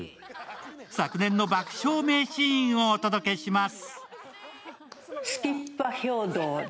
昨年の爆笑名シーンをお届けします。